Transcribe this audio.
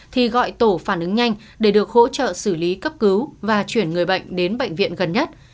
thì gọi tổ phản ứng nhanh để được hỗ trợ xử lý cấp cứu và chuyển người bệnh đến bệnh viện gần nhất